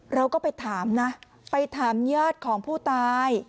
เราก็ไปถามนะไปถามญาติของผู้ตาย